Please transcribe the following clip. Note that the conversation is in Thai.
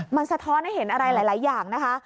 มันสะท้อนให้เห็นอะไรหลายอย่างนะคะ